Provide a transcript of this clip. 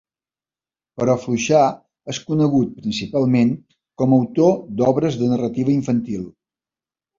Però Fluixà és conegut, principalment, com a autor d'obres de narrativa infantil.